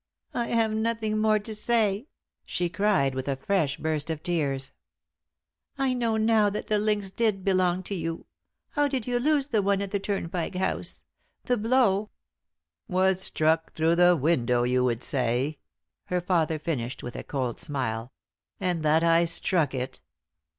"I have nothing more to say," she cried with a fresh burst of tears. "I know now that the links did belong to you. How did you lose the one at the Turnpike House? The blow " "Was struck through the window, you would say," her father finished, with a cold smile, "and that I struck it!"